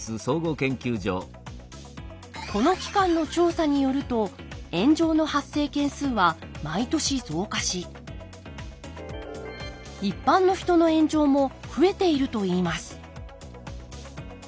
この機関の調査によると炎上の発生件数は毎年増加し一般の人の炎上も増えているといいます。